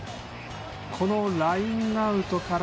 ラインアウトから。